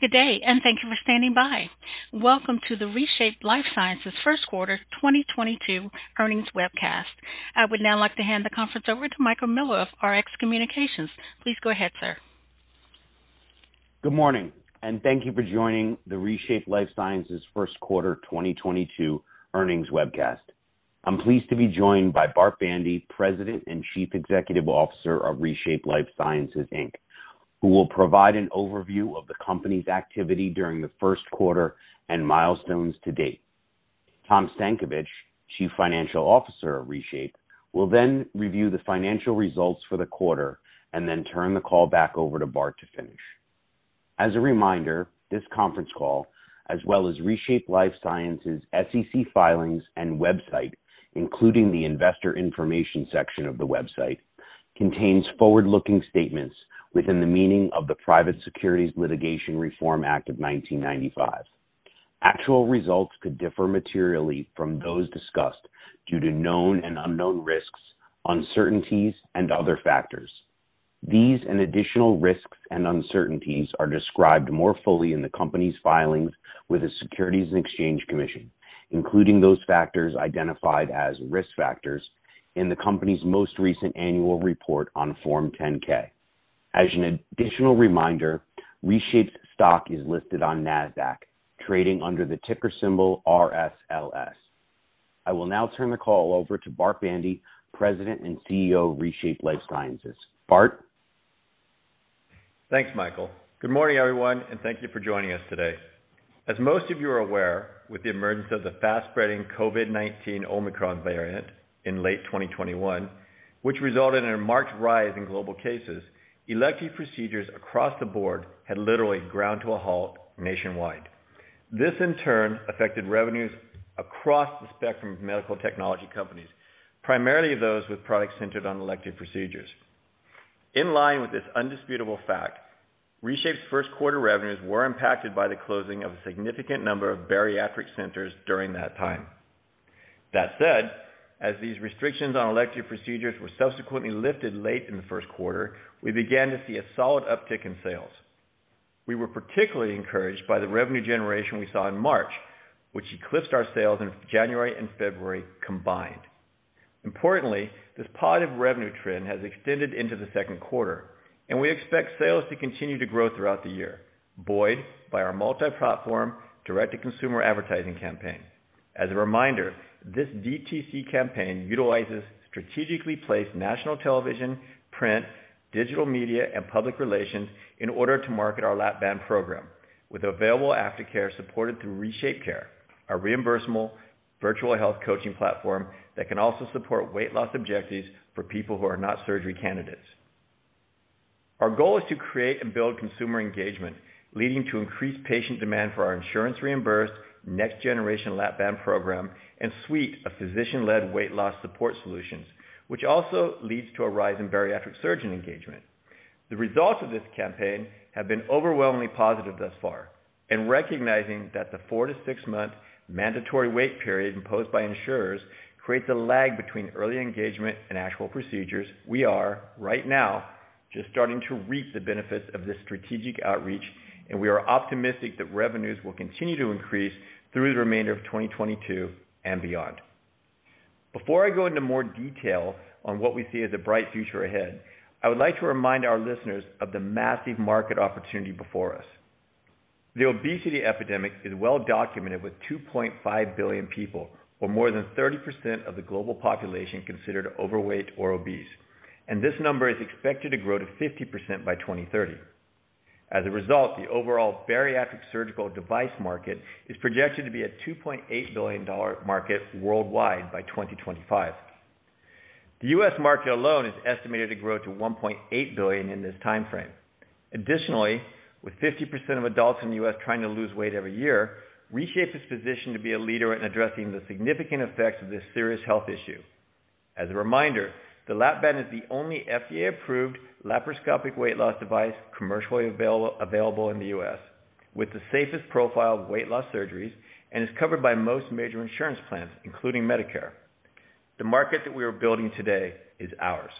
Good day, and thank you for standing by. Welcome to the ReShape Lifesciences first quarter 2022 earnings webcast. I would now like to hand the conference over to Michael Miller of Rx Communications Group. Please go ahead, sir. Good morning, and thank you for joining the ReShape Lifesciences first quarter 2022 earnings webcast. I'm pleased to be joined by Bart Bandy, President and Chief Executive Officer of ReShape Lifesciences Inc., who will provide an overview of the company's activity during the first quarter and milestones to date. Tom Stankovich, Chief Financial Officer of ReShape, will then review the financial results for the quarter and then turn the call back over to Bart to finish. As a reminder, this conference call, as well as ReShape Lifesciences SEC filings and website, including the investor information section of the website, contains forward-looking statements within the meaning of the Private Securities Litigation Reform Act of 1995. Actual results could differ materially from those discussed due to known and unknown risks, uncertainties, and other factors. These and additional risks and uncertainties are described more fully in the company's filings with the Securities and Exchange Commission, including those factors identified as risk factors in the company's most recent annual report on Form 10-K. As an additional reminder, ReShape's stock is listed on Nasdaq, trading under the ticker symbol RSLS. I will now turn the call over to Bart Bandy, President and CEO of ReShape Lifesciences. Bart? Thanks, Michael. Good morning, everyone, and thank you for joining us today. As most of you are aware, with the emergence of the fast-spreading COVID-19 Omicron variant in late 2021, which resulted in a marked rise in global cases, elective procedures across the board had literally ground to a halt nationwide. This, in turn, affected revenues across the spectrum of medical technology companies, primarily those with products centered on elective procedures. In line with this indisputable fact, ReShape's first quarter revenues were impacted by the closing of a significant number of bariatric centers during that time. That said, as these restrictions on elective procedures were subsequently lifted late in the first quarter, we began to see a solid uptick in sales. We were particularly encouraged by the revenue generation we saw in March, which eclipsed our sales in January and February combined. Importantly, this positive revenue trend has extended into the second quarter, and we expect sales to continue to grow throughout the year, buoyed by our multi-platform direct-to-consumer advertising campaign. As a reminder, this DTC campaign utilizes strategically placed national television, print, digital media, and public relations in order to market our Lap-Band program with available aftercare supported through ReShapeCare, our reimbursable virtual health coaching platform that can also support weight loss objectives for people who are not surgery candidates. Our goal is to create and build consumer engagement, leading to increased patient demand for our insurance reimbursed next generation Lap-Band program and suite of physician-led weight loss support solutions, which also leads to a rise in bariatric surgeon engagement. The results of this campaign have been overwhelmingly positive thus far. In recognizing that the four-six month mandatory wait period imposed by insurers creates a lag between early engagement and actual procedures, we are right now just starting to reap the benefits of this strategic outreach, and we are optimistic that revenues will continue to increase through the remainder of 2022 and beyond. Before I go into more detail on what we see as a bright future ahead, I would like to remind our listeners of the massive market opportunity before us. The obesity epidemic is well documented, with 2.5 billion people, or more than 30% of the global population, considered overweight or obese, and this number is expected to grow to 50% by 2030. As a result, the overall bariatric surgical device market is projected to be a $2.8 billion market worldwide by 2025. The U.S. market alone is estimated to grow to $1.8 billion in this time frame. Additionally, with 50% of adults in the U.S., trying to lose weight every year, ReShape is positioned to be a leader in addressing the significant effects of this serious health issue. As a reminder, the Lap-Band is the only FDA-approved laparoscopic weight loss device commercially available in the U.S., with the safest profile of weight loss surgeries and is covered by most major insurance plans, including Medicare. The market that we are building today is ours.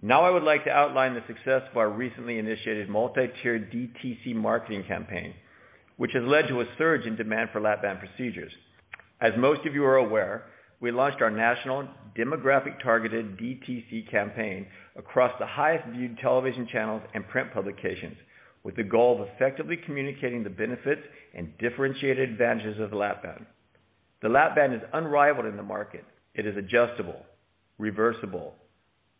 Now I would like to outline the success of our recently initiated multi-tiered DTC marketing campaign, which has led to a surge in demand for Lap-Band procedures. As most of you are aware, we launched our national demographic targeted DTC campaign across the highest viewed television channels and print publications with the goal of effectively communicating the benefits and differentiated advantages of Lap-Band. The Lap-Band is unrivaled in the market. It is adjustable, reversible,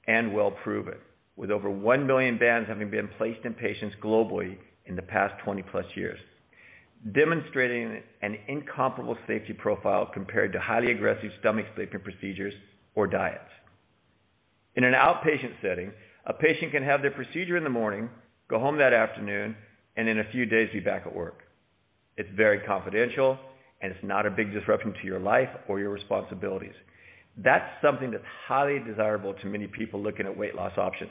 and well proven, with over 1 million bands having been placed in patients globally in the past 20+ years, demonstrating an incomparable safety profile compared to highly aggressive stomach stapling procedures or diets. In an outpatient setting, a patient can have their procedure in the morning, go home that afternoon, and in a few days be back at work. It's very confidential, and it's not a big disruption to your life or your responsibilities. That's something that's highly desirable to many people looking at weight loss options.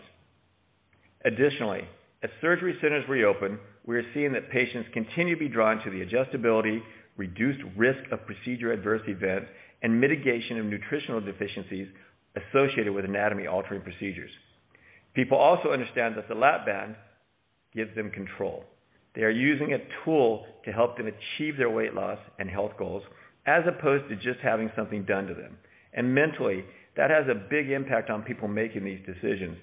Additionally, as surgery centers reopen, we are seeing that patients continue to be drawn to the adjustability, reduced risk of procedure adverse events, and mitigation of nutritional deficiencies associated with anatomy altering procedures. People also understand that the Lap-Band gives them control. They are using a tool to help them achieve their weight loss and health goals, as opposed to just having something done to them. Mentally, that has a big impact on people making these decisions,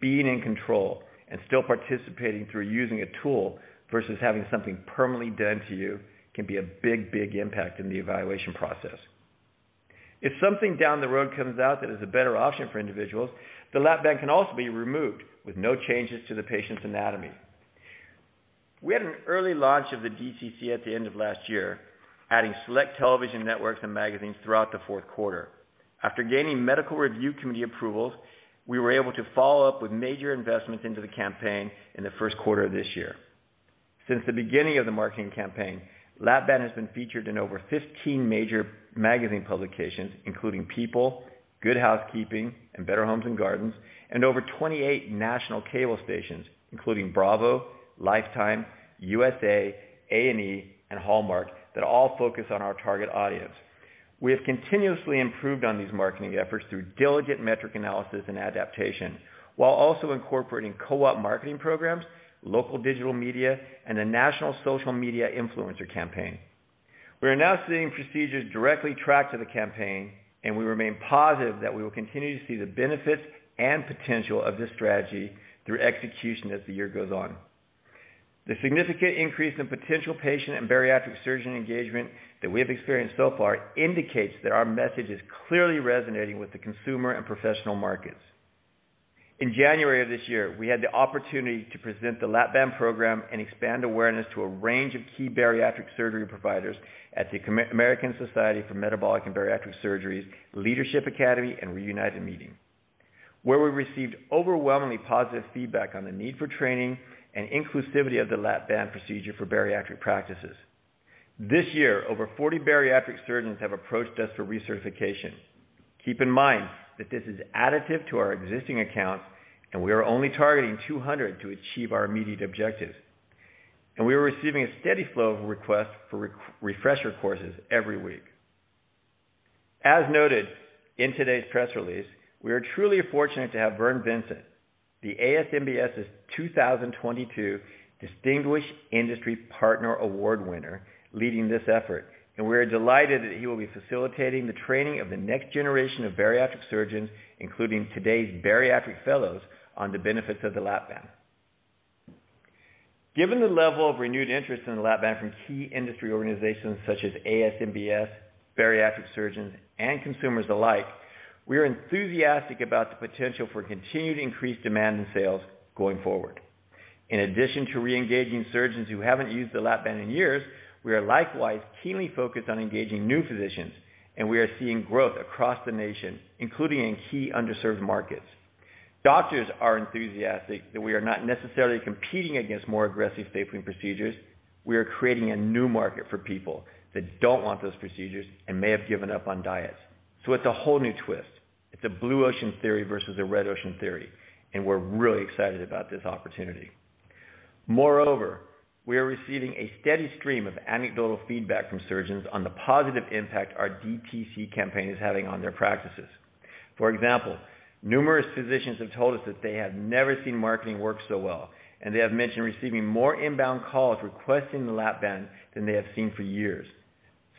being in control, and still participating through using a tool versus having something permanently done to you can be a big, big impact in the evaluation process. If something down the road comes out that is a better option for individuals, the Lap-Band can also be removed with no changes to the patient's anatomy. We had an early launch of the DTC at the end of last year, adding select television networks and magazines throughout the fourth quarter. After gaining medical review committee approvals, we were able to follow up with major investments into the campaign in the first quarter of this year. Since the beginning of the marketing campaign, Lap-Band has been featured in over 15 major magazine publications, including people, Good Housekeeping, and Better Homes and Gardens and over 28 national cable stations, including Bravo, Lifetime, USA, A&E, and Hallmark that all focus on our target audience. We have continuously improved on these marketing efforts through diligent metric analysis and adaptation while also incorporating co-op marketing programs, local digital media, and a national social media influencer campaign. We are now seeing procedures directly tracked to the campaign, and we remain positive that we will continue to see the benefits and potential of this strategy through execution as the year goes on. The significant increase in potential patient and bariatric surgeon engagement that we have experienced so far indicates that our message is clearly resonating with the consumer and professional markets. In January of this year, we had the opportunity to present the Lap-Band program and expand awareness to a range of key bariatric surgery providers at the American Society for Metabolic and Bariatric Surgery's Leadership Academy and Reunited meeting, where we received overwhelmingly positive feedback on the need for training and inclusivity of the Lap-Band procedure for bariatric practices. This year, over 40 bariatric surgeons have approached us for recertification. Keep in mind that this is additive to our existing accounts, and we are only targeting 200 to achieve our immediate objectives. We are receiving a steady flow of requests for refresher courses every week. As noted in today's press release, we are truly fortunate to have Vern Vincent, the ASMBS's 2022 Distinguished Industry Partner Award winner, leading this effort. We are delighted that he will be facilitating the training of the next generation of bariatric surgeons, including today's bariatric fellows, on the benefits of the Lap-Band. Given the level of renewed interest in the Lap-Band from key industry organizations such as ASMBS, bariatric surgeons, and consumers alike, we are enthusiastic about the potential for continued increased demand in sales going forward. In addition to re-engaging surgeons who haven't used the Lap-Band in years, we are likewise keenly focused on engaging new physicians, and we are seeing growth across the nation, including in key underserved markets. Doctors are enthusiastic that we are not necessarily competing against more aggressive stapling procedures. We are creating a new market for people that don't want those procedures and may have given up on diets. It's a whole new twist. It's a blue ocean theory versus a red ocean theory, and we're really excited about this opportunity. Moreover, we are receiving a steady stream of anecdotal feedback from surgeons on the positive impact our DTC campaign is having on their practices. For example, numerous physicians have told us that they have never seen marketing work so well, and they have mentioned receiving more inbound calls requesting the Lap-Band than they have seen for years.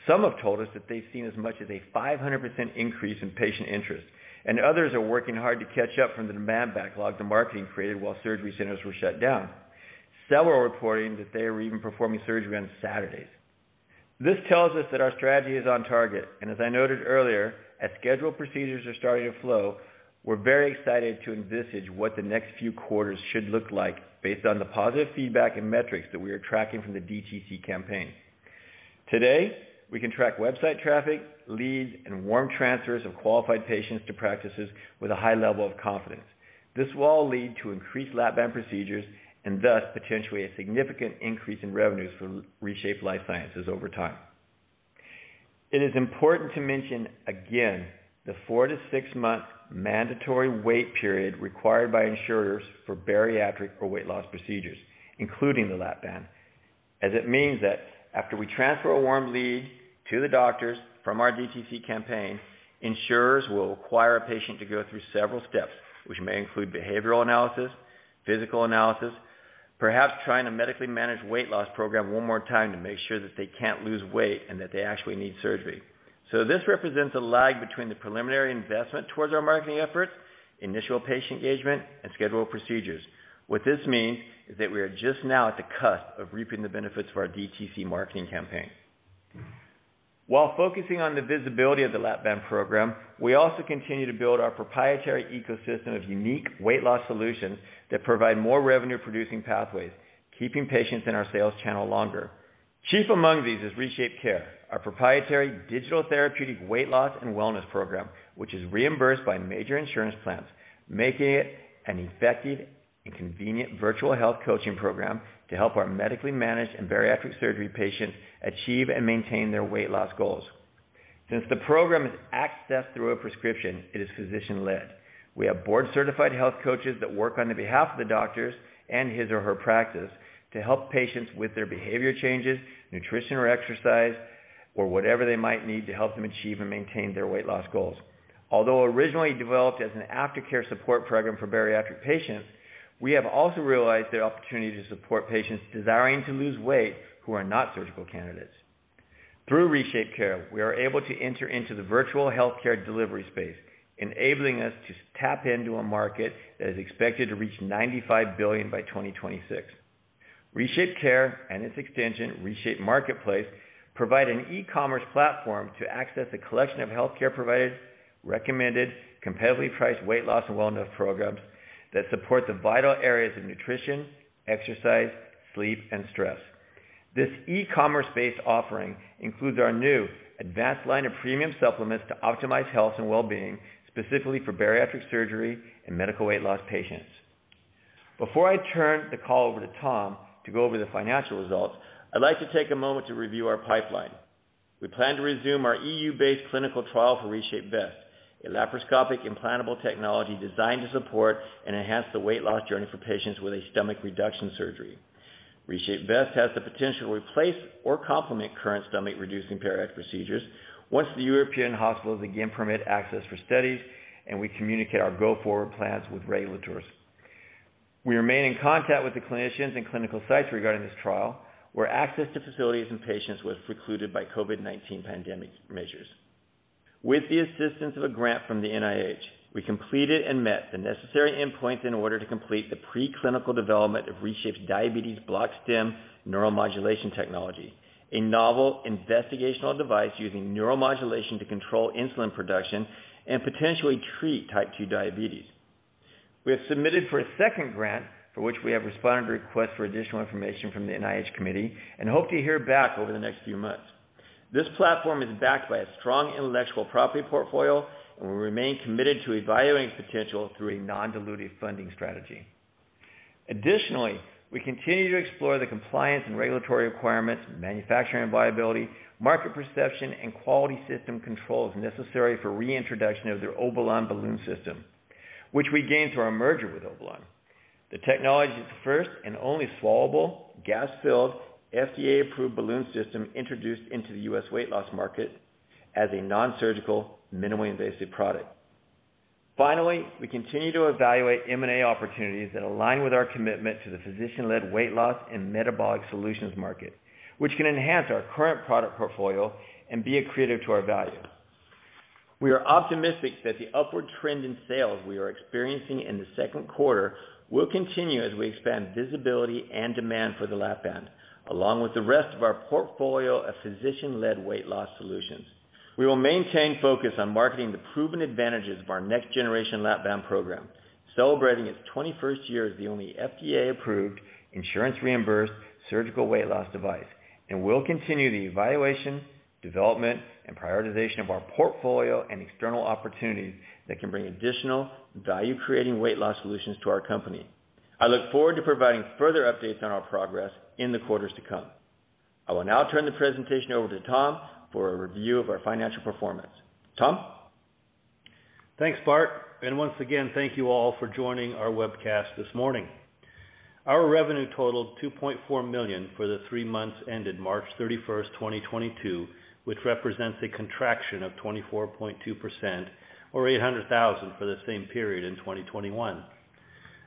Some have told us that they've seen as much as a 500% increase in patient interest, and others are working hard to catch up from the demand backlog the marketing created while surgery centers were shut down. Several are reporting that they are even performing surgery on Saturdays. This tells us that our strategy is on target, and as I noted earlier, as scheduled procedures are starting to flow, we're very excited to envisage what the next few quarters should look like based on the positive feedback and metrics that we are tracking from the DTC campaign. Today, we can track website traffic, leads, and warm transfers of qualified patients to practices with a high level of confidence. This will all lead to increased Lap-Band procedures and thus potentially a significant increase in revenues for ReShape Lifesciences over time. It is important to mention again the four-six month mandatory wait period required by insurers for bariatric or weight loss procedures, including the Lap-Band, as it means that after we transfer a warm lead to the doctors from our DTC campaign, insurers will require a patient to go through several steps, which may include behavioral analysis, physical analysis, perhaps trying a medically managed weight loss program one more time to make sure that they can't lose weight and that they actually need surgery. This represents a lag between the preliminary investment towards our marketing efforts, initial patient engagement, and scheduled procedures. What this means is that we are just now at the cusp of reaping the benefits of our DTC marketing campaign. While focusing on the visibility of the Lap-Band program, we also continue to build our proprietary ecosystem of unique weight loss solutions that provide more revenue-producing pathways, keeping patients in our sales channel longer. Chief among these is ReShapeCare, our proprietary digital therapeutic weight loss and wellness program, which is reimbursed by major insurance plans, making it an effective and convenient virtual health coaching program to help our medically managed and bariatric surgery patients achieve and maintain their weight loss goals. Since the program is accessed through a prescription, it is physician-led. We have board-certified health coaches that work on behalf of the doctors and his or her practice to help patients with their behavior changes, nutrition or exercise or whatever they might need to help them achieve and maintain their weight loss goals. Although originally developed as an aftercare support program for bariatric patients, we have also realized their opportunity to support patients desiring to lose weight who are not surgical candidates. Through ReShapeCare, we are able to enter into the virtual healthcare delivery space, enabling us to tap into a market that is expected to reach $95 billion by 2026. ReShapeCare and its extension, ReShape Marketplace, provide an e-commerce platform to access a collection of healthcare providers recommended competitively priced weight loss and wellness programs that support the vital areas of nutrition, exercise, sleep and stress. This e-commerce-based offering includes our new advanced line of premium supplements to optimize health and well-being, specifically for bariatric surgery and medical weight loss patients. Before I turn the call over to Tom to go over the financial results, I'd like to take a moment to review our pipeline. We plan to resume our EU-based clinical trial for ReShape Vest, a laparoscopic implantable technology designed to support and enhance the weight loss journey for patients with a stomach reduction surgery. ReShape Vest has the potential to replace or complement current stomach-reducing bariatric procedures once the European hospitals again permit access for studies, and we communicate our go forward plans with regulators. We remain in contact with the clinicians and clinical sites regarding this trial, where access to facilities and patients was precluded by COVID-19 pandemic measures. With the assistance of a grant from the NIH, we completed and met the necessary endpoints in order to complete the preclinical development of ReShape's Diabetes Bloc-Stim Neuromodulation Technology, a novel investigational device using neuromodulation to control insulin production and potentially treat type II diabetes. We have submitted for a second grant, for which we have responded to requests for additional information from the NIH committee and hope to hear back over the next few months. This platform is backed by a strong intellectual property portfolio, and we remain committed to evaluating potential through a non-dilutive funding strategy. Additionally, we continue to explore the compliance and regulatory requirements, manufacturing viability, market perception, and quality system controls necessary for reintroduction of their Obalon Balloon System, which we gained through our merger with Obalon. The technology is the first and only swallowable gas-filled, FDA-approved balloon system introduced into the U.S., weight loss market as a non-surgical, minimally invasive product. Finally, we continue to evaluate M&A opportunities that align with our commitment to the physician-led weight loss and metabolic solutions market, which can enhance our current product portfolio and be accretive to our value. We are optimistic that the upward trend in sales we are experiencing in the second quarter will continue as we expand visibility and demand for the Lap-Band, along with the rest of our portfolio of physician-led weight loss solutions. We will maintain focus on marketing the proven advantages of our next generation Lap-Band program, celebrating its twenty-first year as the only FDA approved insurance reimbursed surgical weight loss device. We'll continue the evaluation, development, and prioritization of our portfolio and external opportunities that can bring additional value-creating weight loss solutions to our company. I look forward to providing further updates on our progress in the quarters to come. I will now turn the presentation over to Tom for a review of our financial performance. Tom? Thanks, Bart and once again, thank you all for joining our webcast this morning. Our revenue totaled $2.4 million for the three months ended March 31st, 2022, which represents a contraction of 24.2% or $800,000 for the same period in 2021.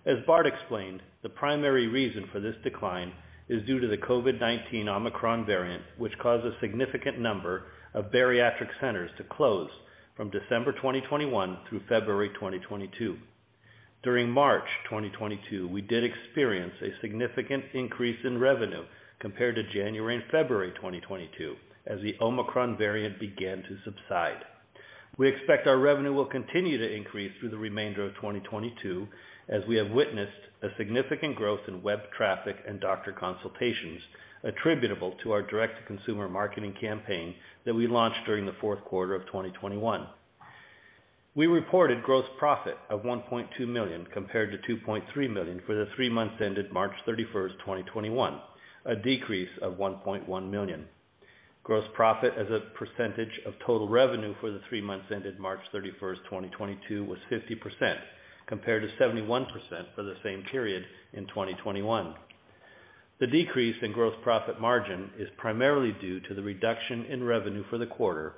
As Bart explained, the primary reason for this decline is due to the COVID-19 Omicron variant, which caused a significant number of bariatric centers to close from December 2021 through February 2022. During March 2022, we did experience a significant increase in revenue compared to January and February 2022 as the Omicron variant began to subside. We expect our revenue will continue to increase through the remainder of 2022, as we have witnessed a significant growth in web traffic and doctor consultations attributable to our direct to consumer marketing campaign that we launched during the fourth quarter of 2021. We reported gross profit of $1.2 million compared to $2.3 million for the three months ended March 31st, 2021, a decrease of $1.1 million. Gross profit as a percentage of total revenue for the three months ended March 31st, 2022 was 50% compared to 71% for the same period in 2021. The decrease in gross profit margin is primarily due to the reduction in revenue for the quarter,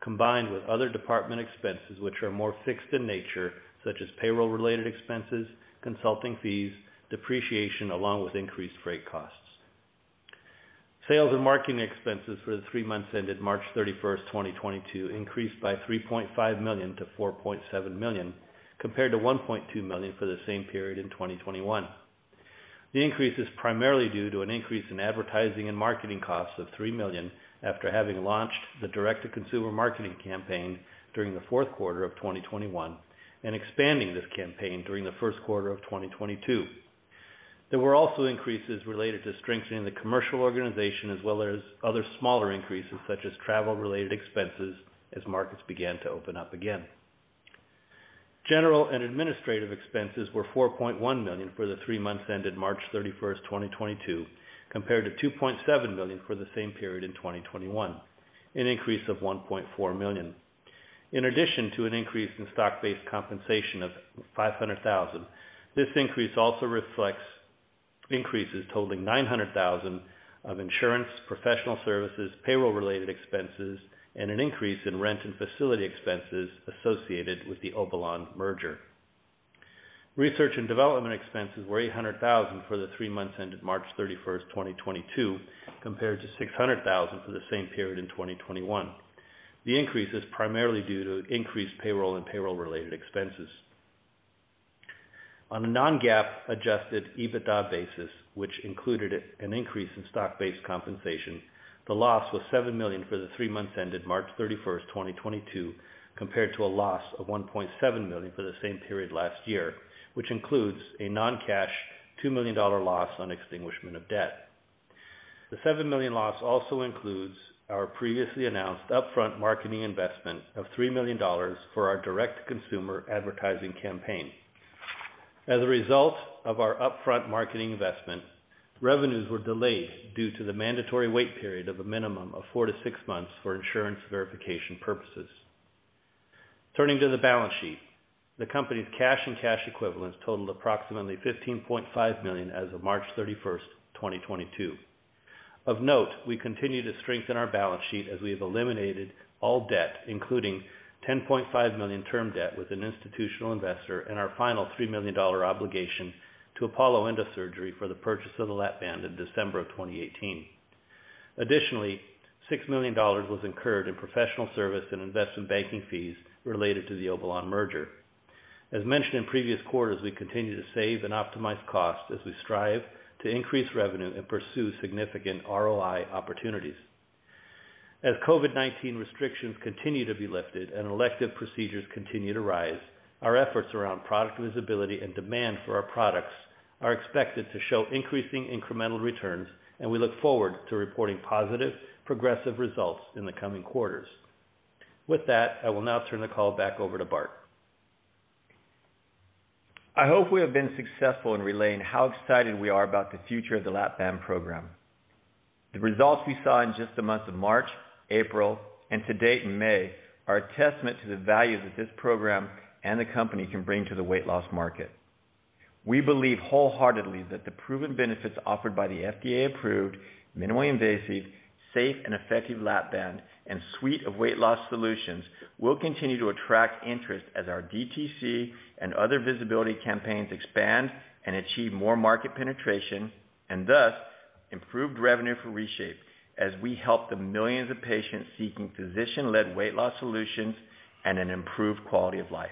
combined with other department expenses which are more fixed in nature, such as payroll related expenses, consulting fees, depreciation, along with increased freight costs. Sales and marketing expenses for the three months ended March 31st, 2022 increased by $3.5 million to $4.7 million, compared to $1.2 million for the same period in 2021. The increase is primarily due to an increase in advertising and marketing costs of $3 million after having launched the direct to consumer marketing campaign during the fourth quarter of 2021 and expanding this campaign during the first quarter of 2022. There were also increases related to strengthening the commercial organization as well as other smaller increases, such as travel related expenses as markets began to open up again. General and administrative expenses were $4.1 million for the three months ended March 31st, 2022, compared to $2.7 million for the same period in 2021, an increase of $1.4 million. In addition to an increase in stock-based compensation of $500,000, this increase also reflects increases totaling $900,000 of insurance, professional services, payroll related expenses, and an increase in rent and facility expenses associated with the Obalon merger. Research and development expenses were $800,000 for the three months ended March 31st, 2022, compared to $600,000 for the same period in 2021. The increase is primarily due to increased payroll and payroll related expenses. On a non-GAAP adjusted EBITDA basis, which included an increase in stock-based compensation, the loss was $7 million for the three months ended March 31st, 2022, compared to a loss of $1.7 million for the same period last year, which includes a non-cash $2 million loss on extinguishment of debt. The $7 million loss also includes our previously announced upfront marketing investment of $3 million for our direct consumer advertising campaign. As a result of our upfront marketing investment, revenues were delayed due to the mandatory wait period of a minimum of four-six months for insurance verification purposes. Turning to the balance sheet. The company's cash and cash equivalents totaled approximately $15.5 million as of March 31st, 2022. Of note, we continue to strengthen our balance sheet as we have eliminated all debt, including $10.5 million term debt with an institutional investor and our final $3 million obligation to Apollo Endosurgery for the purchase of the Lap-Band in December 2018. Additionally, $6 million was incurred in professional service and investment banking fees related to the Obalon merger. As mentioned in previous quarters, we continue to save and optimize costs as we strive to increase revenue and pursue significant ROI opportunities. As COVID-19 restrictions continue to be lifted and elective procedures continue to rise, our efforts around product visibility and demand for our products are expected to show increasing incremental returns, and we look forward to reporting positive progressive results in the coming quarters. With that, I will now turn the call back over to Bart. I hope we have been successful in relaying how excited we are about the future of the Lap-Band program. The results we saw in just the months of March, April, and to date in May are a testament to the value that this program and the company can bring to the weight loss market. We believe wholeheartedly that the proven benefits offered by the FDA-approved, minimally invasive, safe, and effective Lap-Band and suite of weight loss solutions will continue to attract interest as our DTC and other visibility campaigns expand and achieve more market penetration, and thus improved revenue for ReShape as we help the millions of patients seeking physician-led weight loss solutions and an improved quality of life.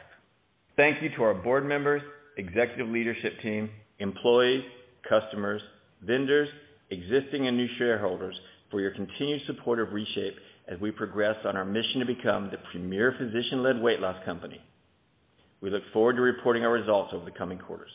Thank you to our board members, executive leadership team, employees, customers, vendors, existing and new shareholders for your continued support of ReShape as we progress on our mission to become the premier physician-led weight loss company. We look forward to reporting our results over the coming quarters.